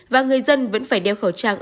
và người dân vẫn phải đeo khẩu trang